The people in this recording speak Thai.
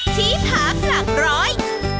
ที่พักหลักร้อย